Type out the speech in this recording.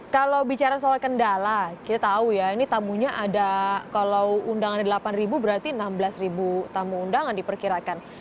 kalau bicara soal kendala kita tahu ya ini tamunya ada kalau undangannya delapan ribu berarti enam belas ribu tamu undangan diperkirakan